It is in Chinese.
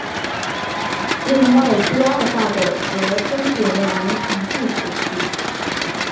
另外第二大的则终结了泥盆纪时期。